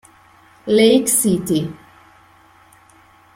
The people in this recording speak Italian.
Lake City